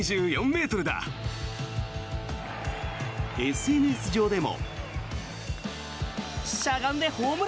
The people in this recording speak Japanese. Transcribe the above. ＳＮＳ上でも。